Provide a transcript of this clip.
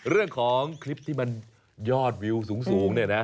เรื่องของคลิปที่มันยอดวิวสูงเนี่ยนะ